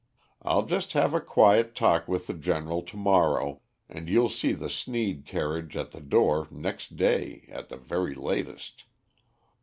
I'll just have a quiet talk with the General to morrow, and you'll see the Sneed carriage at the door next day at the very latest."